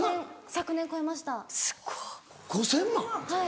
はい。